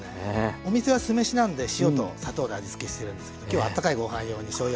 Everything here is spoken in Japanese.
お店は酢飯なんで塩と砂糖で味つけしてるんですけど今日は温かいご飯用にしょうゆ味にしてみました。